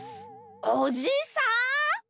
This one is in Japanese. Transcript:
おじさん？